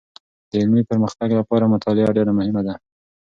د علمي پرمختګ لپاره مطالعه ډېر مهمه ده.